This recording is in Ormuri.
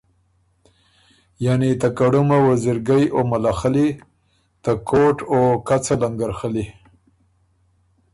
یعنی ته کړُمه وزیرګئ او مله خلي، ته کوټ او کڅه لنګرخلي،